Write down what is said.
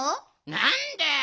なんだよ。